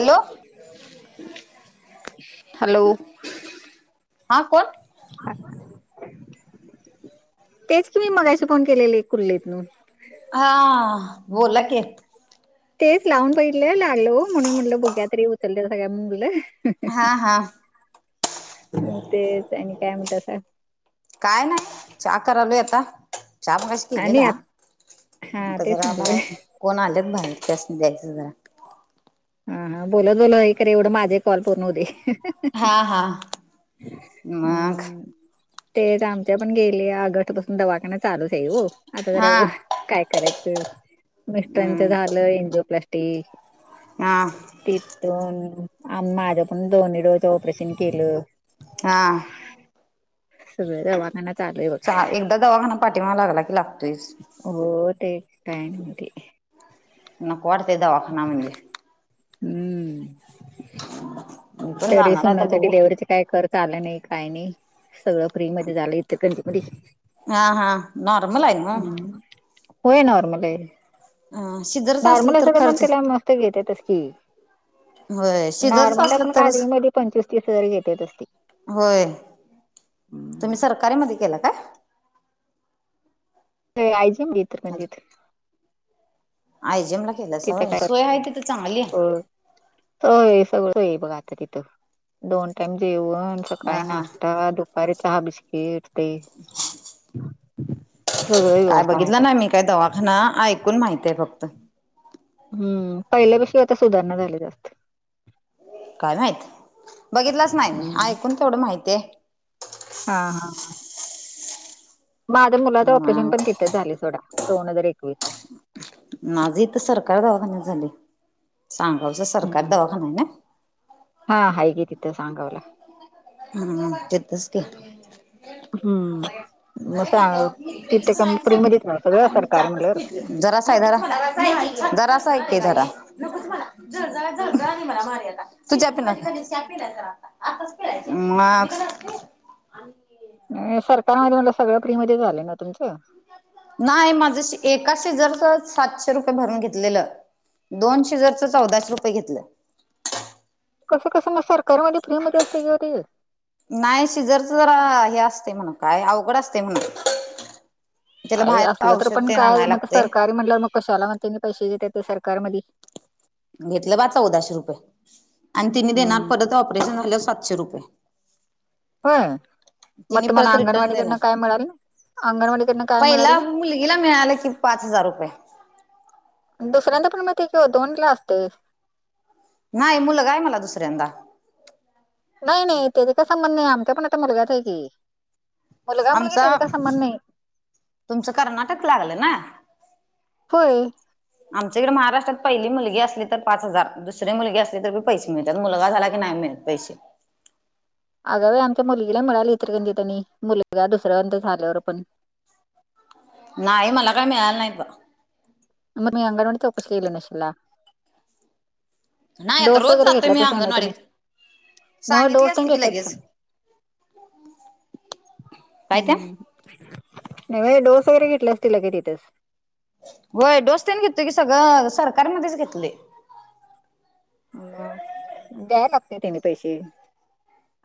Hello, hello हा कोण? तेच की मी मगाशी फोन केलेले कुर्लीतून, हा बोला की, तेच लावून बघितले लागल हो म्हणून म्हणल बघुया तरी उचलतायसा म्हणुन बोल हा हा. तेच आणि काय म्हणतासा? काय नाय चहा करालोय आता चहा मगाशी केलेला आणि हा आता तेच जरा म्हटलं बाहेर कोण आलेत बाहेर त्यासनी द्यायचं जरा. हा बोलत बोलत हे एवढं माझे कॉल पूर्ण होऊ दे. हा हा, मग ते तर आमच्या पण गेले आगटपासून दवाखान्यात चालूच आहे हो आता हा जरा काय करायचं मिस्टरांच हम्म झालं एन्जिओप्लास् टी आं तिथून माझं पण दोन्ही डोळ्याचा ऑपरेशन केलं. हा. सगळे दवाखान्यात चहा एकदा दवाखाना पाठीमागं लागला की लागतोयच. हो ते टाइम मधी. नको वाटतेय दवाखाना म्हणजे. हम्म. [unintelligible] तरी जाणार आहे आता सुनाच्या बघू डिलिवरीचे काय खर्चा आलं नाही काय नाही सगळं फ्री मध्ये झालं [unintelligible] मध्ये. हा हा नॉर्मल हाय ना. होय नॉर्मल आहे अ शिजरच नॉर्मल असलं तर पण खर्च तिला मस्त घेतेेतच की. होय सिझरचा नॉर्मलला असलं पण तर खाजगी मध्ये पंचवीस तीस हजार घेतेतच ते. होय तुम्ही हम्म. सरकारीमध्ये केला का. ते आय जे एम इचलकरंजीत. आय जे एम ला केलासा तिथं होय काय सोय हाय तिथ चांगली. हो. सोय सगळं सोय बघा आता तिथं दोन टाईम जेवण हा सकाळी हा नाश्ता दु पारी चहा बिस्किट ते. सगळं काय व्यवस्था आहे बघितलं आता. नाही मी काय दवाखाना ऐकून माहितय फक्त. हम्म पहिल्यापेक्षा आता सुधारणा झाले जास्त. काय माहित बघितलंच नाही हम्म. ऐकून तेवढं माहिती आहे. हा हा हा. माझं मुलाचा ऑपरेशन म पण तिथच झाले सोडा दोन हजार एकवीस ला. माझी इथं सरकार दवाखान्यात झाले सांगावंचा सरकारी हम्म दवाखाना आहे ना. हा हाय की तिथं सांगावला. हम तिथंच की. हम्म मस्त आ तिथं काम फ्रि मध्येच ना सगळं सरकार म्हटल्यावर. जरासा हाय धरा जरासा हाय की धरा. तू चाय पिणार? आत्ताच पिळायचं मग. सरकारमध्ये म्हणलं सगळं फ्री मध्ये झालंय ना तुमचं. नाही माझा सी एका सिझरचा सातशे रुपये भरून घेतलेलं. दोन सिझरचं चौदाशे रुपये घेतलं. कसं कसं म सरकारी मध्ये फ्री मध्ये असतय कि हो ती. नाही सिझरचा जरा हे असतय म्हणा काय अवघड असते म्हणा. त्याला अगं बाहेर असलं तर औषध पण तेन काय आणायला म लागतय. सरकारी म्हणलं मग कशाला म त्यांनी पैशे दघेत्यात सरकार मधी. घेतलं बा चौदाशे रुपये आणि तिने देणार हम्म परत ऑपरेशन झाल्यावर सातशे रुपये. होय. म तिने तुम्हाला परत रिटर्न देणार अंगणवाडीकडनं काय मिळाल अंगणवाडीकडनं काय मिळाल? पहिला मुलगीला मिळालं की पाच हजार रुपये. दुसऱ्यांदा पण मग ते केलो दोन ला असतं. नाही मुलगाय मला दुसऱ्यांदा. नाही नाही त्याचा काय संबंध नाय आमचा पण आता मुलगाचय की. मुलगा मुलगी आमचा त्याचा काय संबंध नाही तुमचं कर्नाटक लागलं ना? होय. आमच्या इकडे महाराष्ट्रात पहिली मुलगी असली तर पाच हजार, दुसरी मुलगी असली तरी पैसे मिळतात मुलगा झाला की नाही मिळत. पैशे. अग‌ बाई आमच्या मुलगीला मिळाली इचलकंरजी आणि त्यांनी मुलगा दुसऱ्यादा झाल्यावर पण. नाही मला काही मिळाल नाहीत बा. मग तुमी अंगणवाडीत चौकशी केली नशिला. नाही आता डोस रोज वगैरे जातोय मी घेतलासा काय नाही तुम्ही? अंगणवाडीत नव्हं सांगितली डोस तेन असते की घेतलंस‌ काय लगेच काय ते हम्म. नव्हे डोस वगैरे घेतले असतिला की तिथच. होय डोस तेन घेतलोय की सगंळ सरकारमध्येच घेतलोय. अ द्याया लागतय तेंनी पैशे.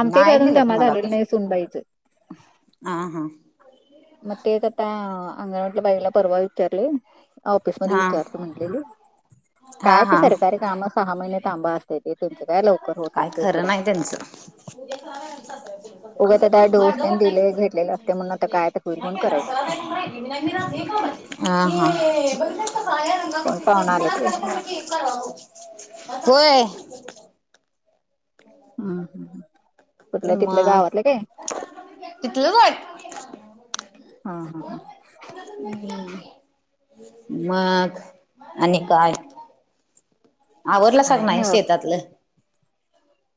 आमच्या बी नाही अजून दिलत जमा मला तर झालेले नाही सुनबाईच. हा मग तेच आता अंगणवाडीतल्या बाईला परवा विचारलय ऑफिस मध्ये हा हा विचारतो म्हणली. काय झालं हा काय ते हा सरकारी काम सहा महिने थांबा अस‌‌तय ते. तेंच काय लवकर होत काय नसतय खरं सोडा. नाही त्यांचं उगाच आता‌ हा डोस हा. तेन दिले घेतलेले असतंय म्हणून आता काय तर होईल म्हणून करायचं. हा कोण पाहुणा आले ते हा. होय. हम् हम. मग तिथलं वय हा हा हा. मग आणि काय? आवरलासा काय नाय नाही बा शेतातलं?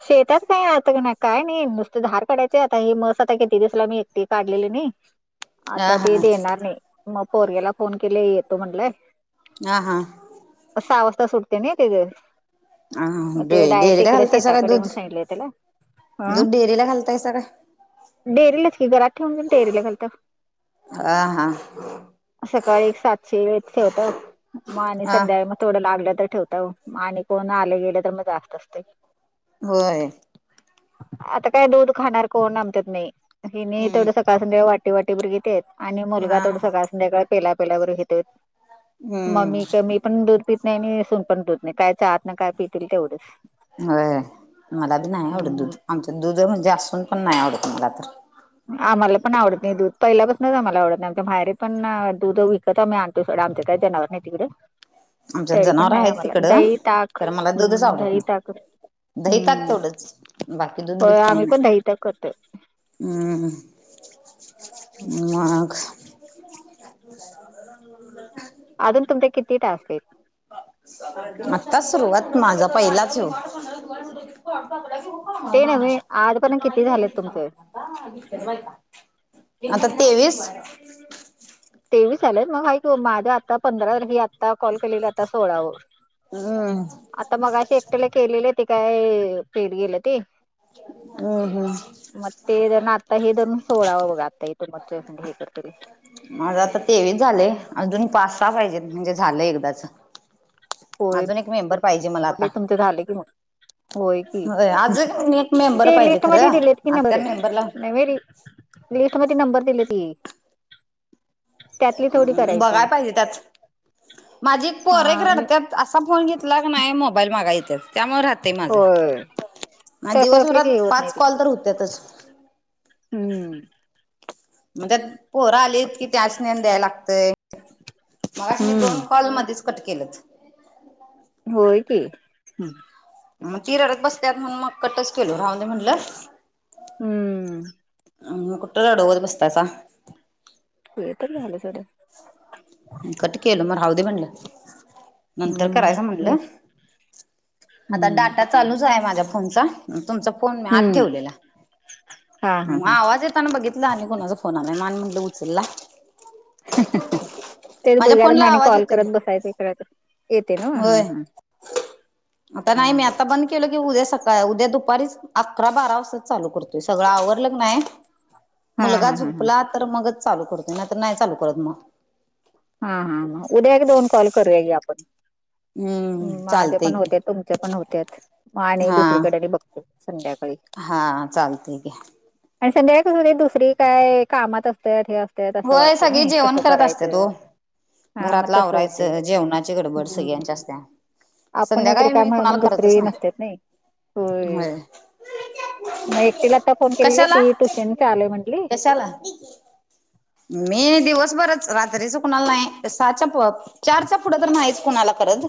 शेतात काय आता काय नाही नुसते धार काढायचे आता हे मस आता किती दिवसला मी एकटी काढलेली नाही. हा आता हा ते देणार नाही मग पोरग्याला फोन केले येतो म्हणलाय. हा हां. सहा वाजता सुटतय ना तेच हा हा मग ते डायरेक्ट डेअरीला इकडे घालतायसा काय शेतात इकडे ये दूध? म्हणून सांगितलं त्याला. आ. दूध डेअरीला घालतायसा काय? डेरीलाच‌ की घरात ठेवून घेउन डेरीला घालताव. आ हा. सकाळी एक सातशे एक ठेवताव मग आणि हा संध्याकाळी म थोडं लागलं तर ठेवताव, आणि कोण आले गेले तर मग जास्त असतंय. होय. आता काय दूध खाणार कोण आमच्यात नाही हेनी हम्म तेवढं सकाळ संध्याकाळ वाटी वाटी भर घेत्यात. आणि मुलगा हा तेवढा सगळा संध्याकाळ पेला पेलाभर घेतोय मग हम्म. मी काय मी पण दूध पित नाही आणि सून पण दुध नाही काय च्याहतनं काय पितील तेवढंच. होय मला बी नाही आवडत दूध हम्म आमचं दुध म्हणजे असून पण नाही आवडत मला तर. आम्हाला पण आवडत नाही दूध पहिल्या पासनच आम्हाला आवडतं नाही आमच्या माहेेरी पण अं दुध विकत आम्ही आ कडं जनावर नाही तिकडं. आमच्यात तरी पण जनावर नाय आहेत आम्हाला तिकडं दही, ताक तर मला दूधच हम्म आवडत दही‌, नाही ताक‌ दही ताक हम्म. तेवढंच बाकी दूध होय बीध काही आम्ही पण नाही दही ताक करतोय. हम्म हम्म मग. [inaudible] अजून तुमचे किती टास्क आहेत. आत्ता सुरुवात माझा पहिलाच ह्यो. ते नव्हे आज पर्यंत किती झालेत तुमचे. आता तेवीस. तेवीस झालेत मग आहेत की ओ माझ्या आता पंधरा पैकी आता कॉल केलेलं आता सोळाव. हम्म आता मगाशी एकट्याला केलेलं ते काय फेल गेलं ते. हम्म हम्म. मग ते जर आता हे धरुन सोळावं बघा आता तुमच्या संग हे करत्यालं. माझं आता तेवीस झालंय अजून पाच सहा पाहिजेत म्हणजे झालं एकदाच. अजून एक मेंबर पाहिजे मला. आता हे तुमचं झालं की मग. होय की, अजून एक मेंबर ते पाहिजे लिस्ट खरं मध्ये दिलेत की आता त्या नंबर मेंबरला नव्हे री लिस्ट मध्ये नंबर दिलेत की. त्यातली थोडी करायची बघाय पाहिजे त्यात माझी एक हा पोरं एक मी रडत्यात. असा फोन घेतला की नाही, मोबाईल मागाय येत्यात त्यामुळं राहतय माझं. होय. आज तसं असलं की दिवसभरात हे होत नाही पाच ते कॉल तर होत्यातच. हम्म. मग त्यात पोरं आलीत की त्यासनी आणि द्याय लागतंय. मगाशी मी दोन हम्म. कॉल मधीच कट केल्यात. होय की हम्म. मग ती रडत बसत्यात म्हणून मग कटच केलो राहूंदे म्हणलं. हम्म हम्म हम्म. आणि कुठं रडवत बसतासा. ते तर झालं सोड. कट केलो मग राहूदे म्हणलं. नंतर हम्म. करायचं हे म्हणलं आता हम्म. डाटा चालूच आहे माझ्या फोनचा. तुमचा फोन मी आत हम्म. ठेवलेला हा हा मग हा. आवाज येत -ताना बघितलं आणि कुणाचा फोन आलाय मग आणि म्हटलं उचलला. [inaudible] तेच माझ्या बघूया मड फोनला आनी आवाज कॉल येतोय करत बसायचं इकडं येतोय नव्हं हा होय हा. आता नाही मी हम्म. आता बंद केलं की उद्या सकाळ उद्या दुपारीच अकरा बारा वाजताच चालू करतोय सगळं आवरलं की नाही. [inaudible] मुलगा हा हा. झोपला तर मगच चालू करतोय, नाही तर नाही चालू करत मग. हा हा हा उद्या एक दोन कॉल करूया घे आपण. हम्म माझे चालतय पण की होतेत तुमचे पण होत्यात मग आणि हा दुसरीकडे आणि बघ संध्याकाळी. हा चालतंय की. आणि संध्याकाळी कसं होतंय दुसरी काय कामात असत्यात हे अस होय सगळी जेवण करत असत्यात ओ. हा मग घरातलं तसं होतंय. आवरायचं जेवणाची गडबड हम्म. सगळ्यांची असत्या. आपण एक संध्याकाळी मी रिकामं हाय कुणाला म्हणून करतच दुसरी नसत्यात नाही होय. मग एकटीला आता फोन केलेला कशाला ती ट्युशन चालूय म्हंटली. कशाला? मी दिवसभरच रात्रीच कुणाला नाय साच्या पप चारच्या पुढं तर नाहीच कुणाला करत.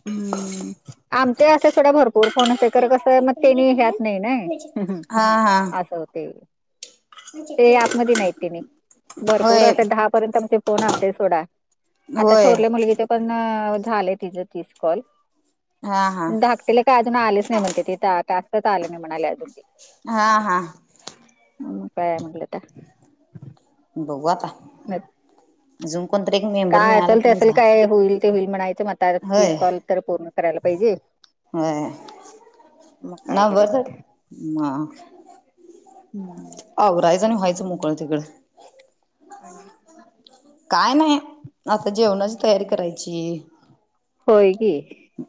हम्म आमच्या याथ थोड भरपूर होणत तर कसं मग तेनी ह्यात नाही नई हा हा असं होते. ते ऍप मधी नाही तेनी भरपूर होय असे दहा पर्यंत आमचे फोन असतेय सोडा. आता होय थोरल्या मुलगीचे पण अ झाले तिज तीस कॉल हा हा धाक तिला काय अजून आलेच नाही म्हणते ति टा टास्कच आले नाही म्हणाले अजून. ती. हा हा मग काय म्हटलं [unintelligible] बगू आता [unintelligible] अजून कोणतरी एक मेंबर काय मिळाला असेल की ते म असेल झालं. काय होईल ते होईल म्हणायचं म आता तीस कॉल तर पूर्ण करायला पाहिजे. मग होय काय करायचं ते. [unintelligible] हम्म आवरायचं आणि व्हायचं मोकळं तिकडं. आणि काय नाही आता जेवणाची तयारी करायची. होय की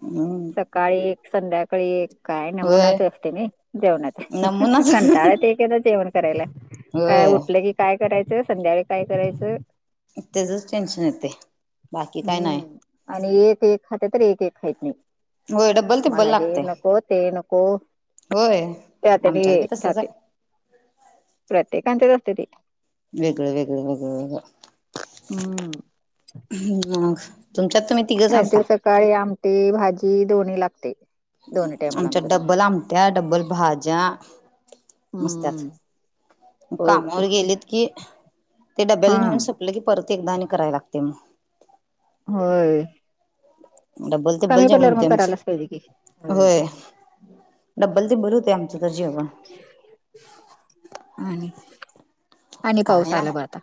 हम्म सकाळी एक संध्याकाळी एक काय होय नमुनाच असतय नई जेवणाच नमुनाच कंटाळ्या येतय एक एकदा जेवण करायला. काय होय उठलं की काय करायचं, संध्याकाळी काय करायचं. तेजच टेन्शन येतेय बाकी काय नाय. हम्म आणि एक एक खाते तर एक एक खाईत नाहीत. होय डब्बल मला तिब्बल हे लागते नको ते नको. होय त्या आमच्यात बी [unintelligible] तसच जाते आहे प्रत्येकांचेच असते ते. वेगळं वेगळं वेगळं वेगळं हम्म मग तुमच्यात तुम्ही तिघंच आहेसा आमच्या इकडं सकाळी आमटी, भाजी दोन्ही लागतेय. आमच्यात डब्बल आमट्या, डब्बल भाज्या मस्त्यात हम्म होय की कामावर गेलेत की ते डब्याल हा नेऊन स लगी की परत एकदा आणि कराय लागतेय मग होय डब्बल, तिब्बल कमी जेवण पडल्यावर मग होतेय आमच करायलाच पाहिजे की होय. डबल, तिबल होतय आमचं तर जेवण. आणि आणि काय पाऊस नाय आला बघ आता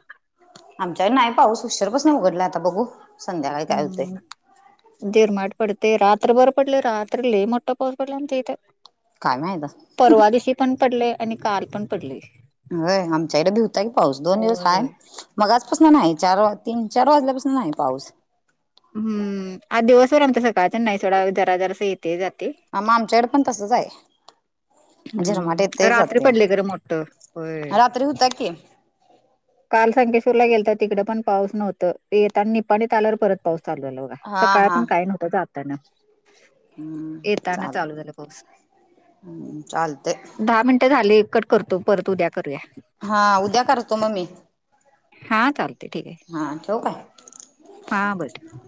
आमच्याकडे नाय पाऊस उशीरपासन उघडलाय आता बघू. संध्याकाळी काय होतय. हम्म झिरमाट पडतय रात्र बर पडल रात्र लय मोठा पाऊस पडल आमच्या इत. काय माहित [unintelligible] परवा दिशी पण पडलेय आणि काल पण पडलेय. होय आमच्याइकड भि हुता की पाऊस दोन दिवस हाय. मगाच पासन नाही चार वा तीन, चार वाजल्यापासून नाही पाऊस. हम्म आज दिवसभर [unintelligible] जरा जरास येते जाते. आ मग आमच्याकड पण तसच हाय झिरमाट हम्म येतय रात्री जातय पडले खरं मोठं होय. रात्री होता की काल संकेश्वर ला गेलतात तिकडे पण पाऊस नव्हत येता आणि निपाडी त आल्यावर परत पाऊस चालुला बघा हा सकाळ हा पण काय नव्हता जाताना येताना चाल चालु झाला पाऊस चालतय दहा मिनट झाली कट करतो परत उद्या करूया हा उद्या करतो मग मी हां चालते ठीक आहे हां ठेवु काय हा बर ठेव